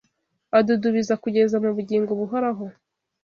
adudubiza kugeza mu bugingo buhoraho